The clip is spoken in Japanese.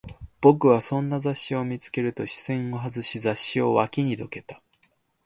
僕はそんな雑誌を見つけると、視線を外し、雑誌を脇にどけた